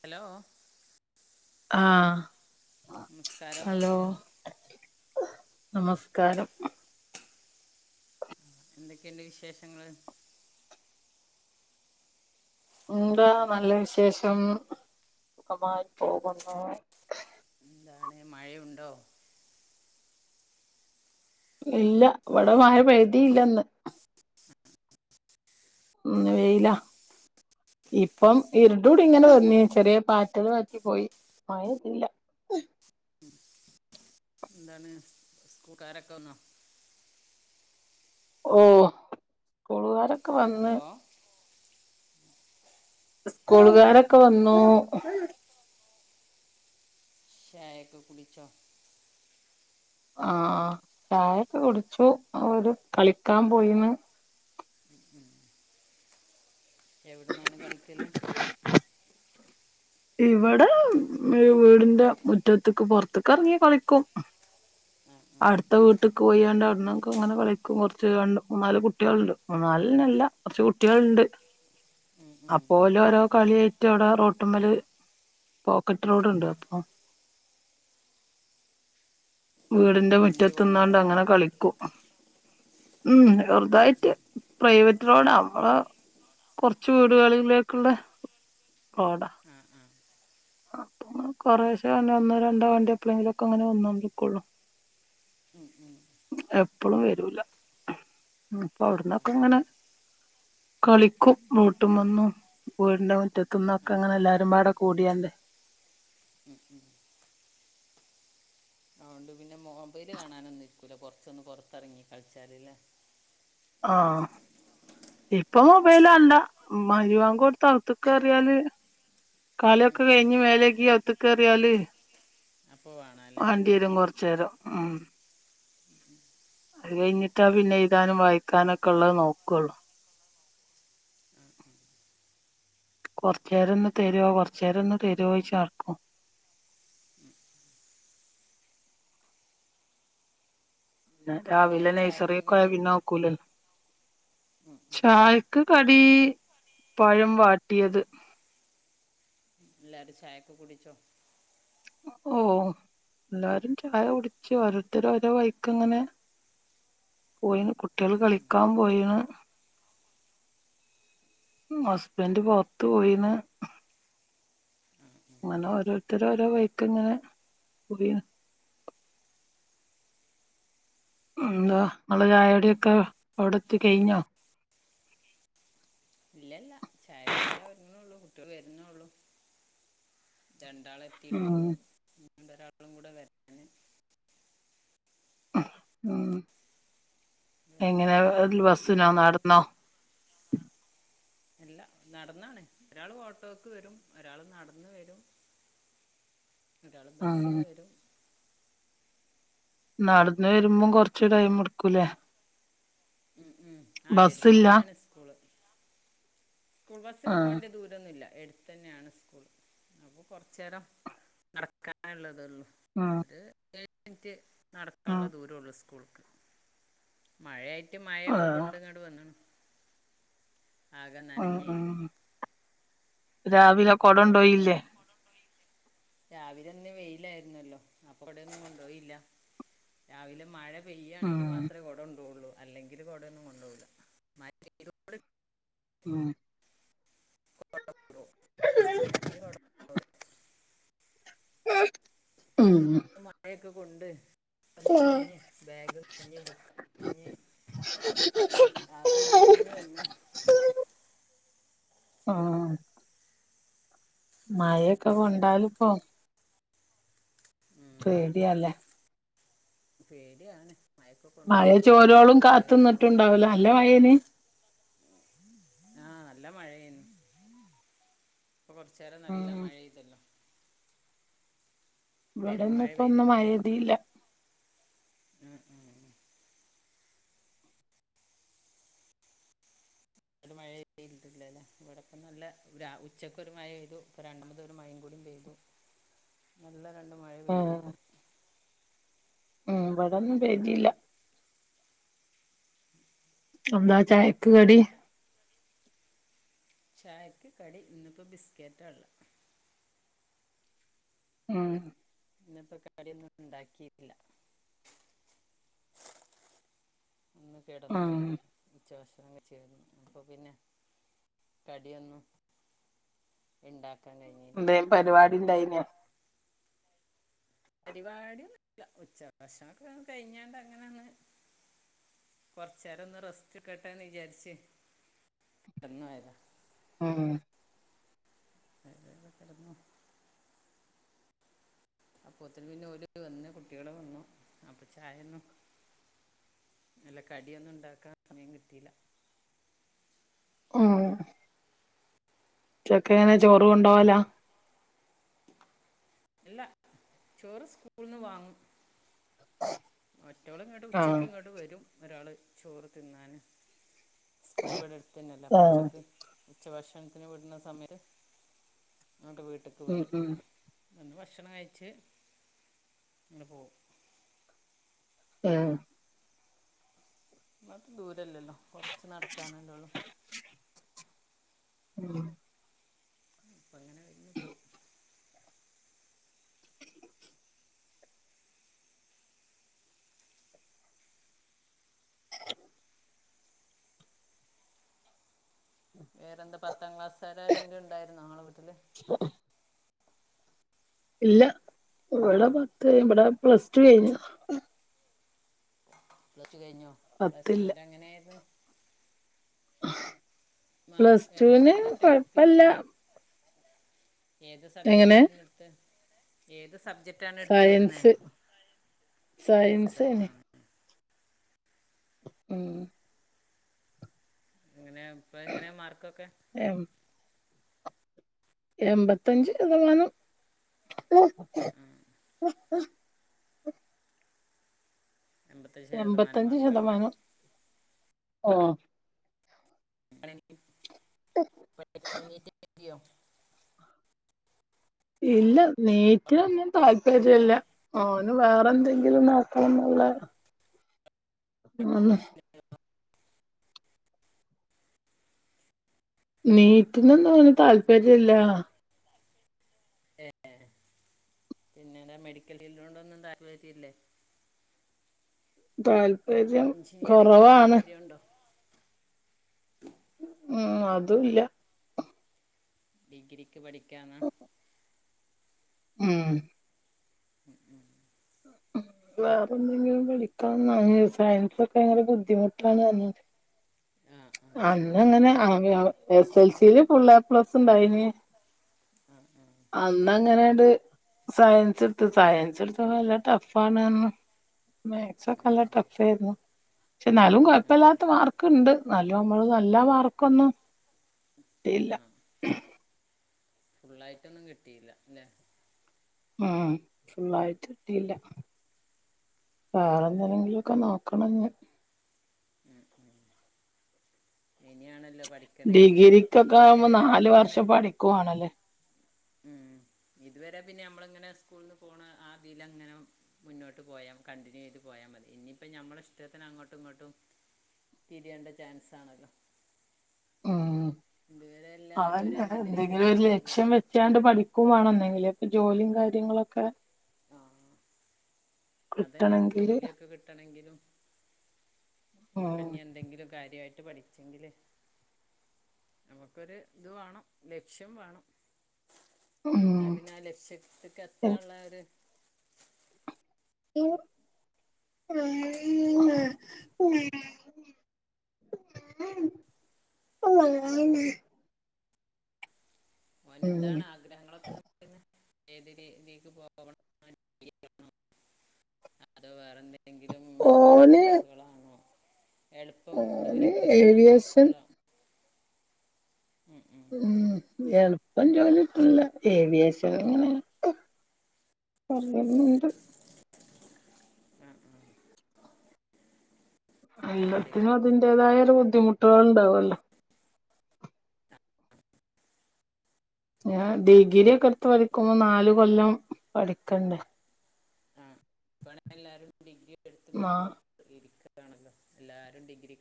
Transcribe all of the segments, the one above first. Hello. ആഹ് നമസ്കാരം hello. നമസ്കാരം. എന്തേക്കെ ഇണ്ട് വിശേഷങ്ങള്. ന്താ നല്ല വിശേഷം സുഖമായി പോകുന്നു. എന്താണ് മഴയുണ്ടോ ഇല്ല ഇവടെ മഴ പേയ്തീല്ല ഇന്ന്. ഇന്ന് വെയില. ഇപ്പം ഇര്ട് കൂടി ഇങ്ങനെ വന്നീനി ചെറ്യേ പാറ്റൽ പാറ്റി പോയി മഴ ഇല്ല. ഉം എന്താണ് സ്കൂൾകാരക്ക വന്നോ ഓഹ്. സ്‌കൂളാരൊക്ക വ ഹലോ, സ്കൂള്കാരൊക്ക വന്നു. ചയക്ക കുടിച്ചോ ആ ആ ചായക്ക കുട്ച്ചു ഓര് കളിക്കാം പോയിണ് ഉം ഉം എവ്ട്ന്നാണ് കളിക്കല് ഇവടെ വി വീട്ന്റെ മുറ്റത്ത്ക്ക് പോർത്ത്ക്ക് എർങ്ങി കളിക്കും. ആ ആ അട്ത്ത വീ ട്ട്ക്ക് പോയാണ്ട് അവ്ട്ന്ന് ഒക്ക ഇങ്ങനെ കളിക്കും കൊർച്ച് രണ്ട് മൂന്നാല് കുട്ടിയള്ണ്ട് മൂന്നാൽനല്ല കൊർച്ച് കുട്ടിയള്ണ്ട്. ഉം, ഉം. അപ്പോലോ ഓരോ കളി ആയിട്ട് അവ്ടെ റോട്ട്മ്മല്. പോക്കറ്റ് ആ റോഡ് ആ. ഇണ്ട് അപ്പം വീട്ന്റെ വണ്ടി മുറ്റത്ത് പോണ നിന്നാണ്ട് റോഡാണോ അങ്ങനെ കളിക്കും ഉം ഉം. ചെർതായിട്ട്. പ്രൈവറ്റ് റോഡാ നമ്മളെ കൊർച്ച് വീട്കളിലേക്ക്ള്ള റോഡാ. ആ ആ അപ്പൊ കൊറേശേ ഒന്നോ രണ്ടോ വണ്ടി എപ്പളെങ്കിലൊക്ക ഇങ്ങനെ വന്നൊണ്ട്ക്കോള്ളൂ. ഉം ഉം. എപ്പളും വരൂല ഇപ്പൊ ആ ആ അവ്ട്ന്നൊക്ക ഇങ്ങനെ. കളിക്കും റോട്ട്മന്നും. വീട്ന്റെ ആ മുറ്റത്ത്ന്നൊക്ക ഇങ്ങനെ എല്ലാരും പാടെ കൂടിയാണ്ട്. ഉം ഉം. അതൊണ്ട് പിന്നെ മൊബൈല് കാണാന് ഒന്നും ഇര്ക്കൂല കൊർച്ചൊന്ന് പൊർത്തറങ്ങി കളിച്ചാല് ലെ ആ ഇപ്പൊ മൊബൈല അല്ല മഹ് രിബാങ്ക് കൊട്ത്താ അവ്ത്ത്ക്ക് കെറിയാല്. കളി ഒക്ക കഴിഞ്ഞ് മേലകി അവ്ത്ത്ക്കെറിയാല് അപ്പോൾ വേണം അല്ലേ വാണ്ടിയരും കൊർ ചേര ഉം [inaudible] അത് കഴിഞ്ഞിട്ടാ പിന്നെഴുതാനും വായിക്കാനും ഒക്കെ ഉള്ളത് നോക്കുവൊള്ളു ഉം ഉം കൊറച്ചേരം ഒന്ന് തരുവോ കൊറച്ചേരം ഒന്ന് തരുവോയിച്ച് നടക്കും ഉം ഞാൻ രാവിലെ എന്താണ് ചായക്ക് നഴ്സറിക്കോയ കടി പിന്നെ ആക്കൂലല്ലോ ചായ ക്ക് കടി പഴം വാട്ടിയത് എല്ലാരും ചായക്ക കുടിച്ചോ ഓഹ് എല്ലാരും ചായ കുടിച്ച് ഓരോരുത്തരു ഓരോ വൈക്ക്ങ്ങനെ പോയിന് കുട്ടികള് കളിക്കാൻ പോയിന് ഹസ്ബൻഡ് പൊറത്തു പോയിന്ന് ആ ആ അങ്ങനെ ഓരോരുത്തരോരോ വൈക്ക്ങ്ങനെ പോയി എന്താ ഇങ്ങളെ ചായകുടിയോക്കെ അവിടെത്തി കഴിഞ്ഞോ ഇല്ലല്ല ചായ കുടിക്കാൻ ഒര്ങ്ങ്ളൊള്ളൂ കുട്ട്യേൾ വെര്ന്നോള്ളു രണ്ടാള് ഉം എത്തീട്ടൊള്ളൂ ഇഞ്ഞുണ്ടൊരാളും കൂടെ വരാന് ഉം ഉം എങ്ങനെ വരുന്നുള്ളൂ ല് ബസ്സ്നോ ചായ ഉണ്ടാക്കി നടന്നോ ഇല്ല നടന്നാണ് ഒരാള് ഓട്ടോക്ക് വരും ഒരാള്നടന്ന് വെരും ഒരാള് ഉം ബസ്സിന് വരും നടന്ന് വരുമ്പം കൊർച്ച് ടൈംഎട്ക്കൂലേ ഉം ഉം ആഹ് ബസ്സില്ല ഇടത്തന്നേണ് സ്കൂള് സ്കൂൾ ബസ്സിന് ആഹ് പോണ്ട ദൂര ന്നുല്ല ഏടത്തന്നയാണ് സ്കൂൾ അപ്പൊ കൊറച്ചേരം നടക്കാള്ളതൊള്ളു ആഹ് ഒര് ഏയ്മിൻറ്റ് നടക്കാള്ള ദൂരള്ളൂസ്കൂൾക്ക് മഴയായിറ്റ് മ ക്ക ആഹ് കൊണ്ട്ങ്ങട്ട് വന്ന്ണ് ഉം ആകെനനഞ്ഞ് ഉം രാവിലെ കൊടണ്ടോയില്ലേ രാവിലന്നെ വെയിലായിര്ന്നല്ലോ അപ്പൊ കൊടെന്നും കൊണ്ടോയില്ല രാവിലെ മഴ ഉം പെയ്യാണെങ്കിമാത്രേ കൊടണ്ടോവൊള്ളൂ അല്ലെങ്കില് കൊടന്നും കൊണ്ടവുല ഉം [unintelligible] അല്ലാഞ്ഞാല് കൊടണ്ടോവുല ഉം മഴെക്കെ നിന്നുളള കൊണ്ട് ഒക്കെനനഞ്ഞ് ബാഗ് നനഞ്ഞ് ബുക്ക്നനഞ്ഞ് ആകെ നനഞ്ഞ് വന്ന് ആഹ് മഴയെക്കെ കൊണ്ടാലിപ്പോ ഉം, പേടിയാല്ലേ പേടിയാണ് മഴയൊക്കെ കൊണ്ട് മഴ പോകുന്നതാണ് ചോരോളും അവരിപ്പോൾ കാത്ത്ന്നിട്ട്ണ്ടാവുലോ നല്ലമഴേനി ആഹ് നല്ലമഴയേനു ഇപ്പൊ കുറച്ചേരം നല്ല ഉം മഴെയ്തല്ലോ ഇവിടൊന്നും പെരുമഴ ഇപ്പ ഒന്നും പെയ്തില്ലിപ്പം മഴെയ്തില്ല ആഹ് ആഹ് അവ്ടെ മഴപെയ്ട്ടില്ലല്ലേ ഇവിടപ്പ നല്ല രാ ഉച്ചക്ക് ഒരു മഴപെയ്തു ഇപ്പൊ രണ്ടാമതൊര് മഴേം കൂടിപെയ്തു നല്ല രണ്ട് മഴ ആഹ് പെയ്ത്പ്പം ഉം ഇവടൊന്നും പെയ്തീല്ല എന്താ ചായക്ക് കടി? ചായക്ക് കടി ഇന്ന് പ്പം ബിസ്ക്കേറ്റാള്ളെ. ഉം ഇന്ന് പ്പ കടിയൊ ന്നും ഇണ്ടാക്കീല്ല. ഒന്ന് ഉം കിടന്നോയി. ഉച്ചഭക്ഷണം കഴിച്ചു കെട്ന്നു. അപ്പൊ പിന്നെ കടിയൊന്നും ഇണ്ടാക്കാൻ കഴിഞ്ഞീല്ല. പരിപാടിണ്ടായിന്യൊ? പരിപാടിയൊന്നുല്ല. ഉച്ചഭക്ഷണക്കെ കഴിഞ്ഞാണ്ട് അങ്ങനൊന്ന്, കൊർച്ചേരൊന്ന് റെസ്റ്റ് ഇട്ക്കട്ടെന്ന് വിചാര്ച്ച്. കെട്ന്നോയതാ. ഉം [unintelligible] കെടന്നൊ അപ്പോത്തിന് പിന്നെ ഓല് വന്ന് കുട്ട്യേള് വന്നു. അപ്പൊ ചായൊന്നും അല്ല കടിയൊന്നുണ്ടാക്കാൻ സമയം കിട്ടീല്ല. ഉം ഉച്ചക്കെങ്ങനെ ചോറ് കൊണ്ടോവലാ? അല്ല ചോറ് സ്കൂൾന്ന് വാങ്ങും. മറ്റോള് ങ്ങട്ട് ആഹ് ഉച്ചക്ക് ങ്ങട്ട് വരും ഒരാള് ചോറ് തിന്നാന്. സ്കൂള് വടെ എട്ത്തന്നല്ലെ അപ്പൊ ആഹ് ഉച്ചക്ക് ഉച്ച ഭക്ഷണത്തിന് വിട്ണ സമയത്ത് ഇങ്ങട്ട് വീട്ട് ക്ക് ഉം വരും. ഉം വന്ന് ഭക്ഷണം കഴിച്ച് ങ്ങട്ട് പോവും. ആഹ് അയ്മാത്രം ദൂരല്ലല്ലോ കൊർച്ച് നടക്കാനല്ലോള്ളൂ. ഉം അപ്പ അങ്ങനെ വര്ന്ന് പോവും. വേറെന്താ പത്താം ക്ലാസ്സാരാരെങ്കിലും ഉണ്ടായിരുന്നോ ഇങ്ങളെ വീട്ടില്? ഇല്ല ഇവടെ പത്ത് ഇബടെ പ്ലസ് ടു കഴിഞ്ഞതാ. പ്ലസ് ടു കഴിഞ്ഞോ? പ്ലസ് ടു പത്തില്ല ല് എങ്ങനേര്ന്നു? മാർക്ക് പ്ലസ് ടു ഏത് ന് സബ്ജക്റ്റ് കൊഴപ്പെല്ല. എടുത്തിരുന്നത് ഏത് എങ്ങനെ സബ്ജക്റ്റായിരുന്നു ഇട്ത്തത്? എങ്ങനെ? ഏത് സബ്ജക് റ്റാണ് ഇട്‌ത്തീര്ന്നെ? Science science. സയൻസ് സയൻസേനി ആഹ്. ഉം എങ്ങനെ, ഇപ്പൊ എങ്ങനെ മാർക്കൊക്കെ. എം എമ്പത്തഞ്ച് ശതമാനം. ആ ആ എൺപത്തഞ്ച് ശതമാനം എമ്പത്തഞ്ച് മാർക്കുള്ള ശതമാനം. ആഹ്. [unintelligible] നീറ്റ് [unintelligible] ഇല്ല നീറ്റിലൊന്നും ഇല്ലല്ലോ താല്പര്യല്ല. ഓന് വേറെ എന്തെങ്കിലും നോക്കണം ന്നുള്ളെ ആണ്. [unintelligible] നീറ്റ്നൊന്നും ഓന് താല്പര്യല്ലാ. ഏഹ് പിന്നെ എന്താ മെഡിക്കൽ ഫീൽഡിനൊന്നും താൽപര്യല്ലേ. താല്പര്യം കൊറവാണ്. [unintelligible] ണ്ടോ ഉം അതും ഇല്ല. ഡിഗ്രിക്ക് പഠിക്കാന്നാ. ഉം ഉം ഉം. വേറെ എന്തെങ്കിലും പഠിക്കാ സയൻസൊക്കെ ഭയങ്കര ബുദ്ധിമുട്ടാണ് പറഞ്ഞത് ആ ആ അന്ന് അങ്ങനെ എസ് എൽസിയില് ഫുള് എപ്ലസ് ഉണ്ടായിനി ആഹ് ആഹ്. അന്നങ്ങനെട് സയൻസ് എടുത്ത് സയൻസ് എടുത്ത് നല്ല ടഫ് ആണ്ന്ന് ആ സയൻസൊക്കെ നല്ല ടഫ് ആയിരുന്നു പക്ഷെ എന്നാലും ആ കുഴപ്പല്ലാത്ത ആ മാർക്കുണ്ട്. നല്ലോ നമ്മള് നല്ല മാർക്കൊന്നും ഇല്ല. ആ ഫുള്ളായിട്ടൊന്നും കിട്ടിയില്ലല്ലെ. ഉം ഫുള്ളായിട്ട് കിട്ടിയില്ല. വേറെ എന്തെിലെങ്കിലുംക്കെ നോക്കണംഞ്ഞ്. ഉം ഉം. ഇനിയാണ് ഡിഗ്രിക്കൊക്കെ ആവുമ്പോ നാല് നമ്മളിങ്ങനെ വർഷം പഠിക്കുവാണല്ലേ. ഉം ഇതുവരെ പിന്നെ നമ്മള് ഇങ്ങനെ സ്കൂൾന്ന് പോണ ആതിൽങ്ങനെ മുന്നോട്ട് പോയാം കണ്ടിന്യൂ ചെയ്ത് പോയാൽ മതി ഇനിയിപ്പം ഞമ്മളെ ഇഷ്ടത്തിന് അങ്ങോട്ടും ഇങ്ങോട്ടും തിരിയേണ്ട ചാൻസാണല്ലോ. ഉം ഇതുവരെ എല്ലാരും ഒരേമാതിരി ഇങ്ങനെ ഒരു പഠിച്ചു പോയ ലക്ഷ്യം ചെയ്യാണ്ട് പഠിക്കുകവാണോ എന്തെങ്കിലും ഇപ്പൊ ജോലിയും കാര്യങ്ങളൊക്കെ ആഹ് അതന്നെ കിട്ടണെങ്കില് ജോലിയൊക്കെ കിട്ടണെങ്കിലും നോക്കെ ഉം നീ എന്തെങ്കിലും കാര്യായിട്ട് പഠിച്ചെങ്കിലേ നമുക്കൊരു ഇത് വേണം ലക്ഷ്യം വേണം ആഹ് എന്നാൽ പിന്നെ ആഹ് ലക്ഷ്യത്തക്ക് എത്താള്ള ഒരു [unintelligible] [inaudible] [unintelligible] മോന് എന്താണ് ആഗ്രഹങ്ങളൊക്കെ നോക്കുന്നെ ഏത് രീതിക്ക് പോകണംന്നാണ് അതോ വേറെന്തെങ്കിലും ഓന് കോഴ്സുകളാണോ എളുപ്പം ജോലി ഓന് കിട്ടണ ഏവിയേഷൻ കോഴ്സുകളാ ഉം എളുപ്പം ജോലി കിട്ടൂല്ല ഏവിയേഷങ്ങനെ.. പറയണുണ്ട് ആഹ് ആഹ് അതിനാ എല്ലാത്തിനും അതിന്റേതായ ഒരു ബുദ്ധിമുട്ടുകൾ ഉണ്ടാവുമല്ലോ ഞാൻ ഡിഗ്രി ഒക്കെ എടുത്ത് പഠിക്കുമ്പോ നാല് കൊല്ലം പഠിക്കണ്ടേ ആഹ് ഇത്തവണ എല്ലാരും ഡിഗ്രി എടുത്ത് ഇങ്ങനെ ആ ഇരിക്കാണല്ലോ എല്ലാരും ഡിഗ്രി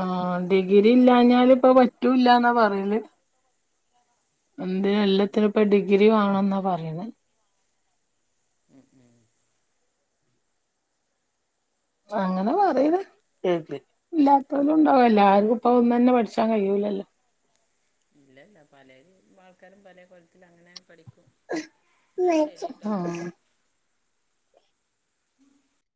ആഹ് ഡിഗ്രി ഇല്ലാഞ്ഞാല് ഇപ്പം പറ്റൂല്ലാന്നാ പറയ്ണേ ഉം എന്തിന് ഉം. എല്ലാത്തിനും ഇപ്പം ഡിഗ്രി വേണംന്നാ പറയ്ണേ ഉം ഉം അങ്ങനെ പറയ്ന്നെ കേട്ട് ഇല്ലാത്തവലും ഉണ്ടാവോല്ലോ എല്ലാവാരും ഉം. ഇപ്പൊ ഒന്ന് തന്നെ പഠിച്ച് ഇപ്പം കഴിയൂലല്ല ഇല്ലല്ല പല ആൾക്കാരും പല കൊലത്തിൽ അങ്ങനെ പഠിക്കും എന്നാ ശരിട്ടോ ആ